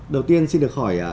đầu tiên xin được hỏi